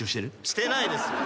してないです。